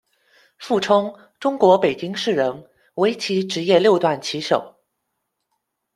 付冲，中国北京市人，围棋职业六段棋手。